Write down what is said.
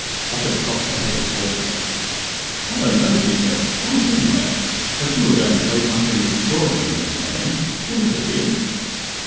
Poppet tossed her head saucily. "I don't know," she said. "Why shouldn't they? But you were going to say something extraordinary when you came in. What is it, dear?"